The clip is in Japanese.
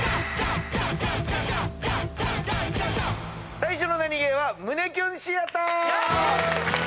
最初のナニゲーは胸キュンシアター！